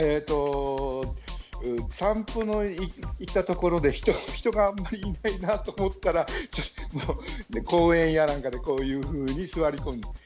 散歩に行ったところで人があまりいないなと思ったら公園やなんかで、こういうふうに座り込む。